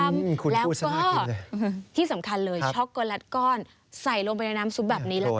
พริกไทยดำแล้วก็ที่สำคัญเลยช็อกโกแลตก้อนใส่ลงไปในน้ำสุดแบบนี้หรอกค่ะ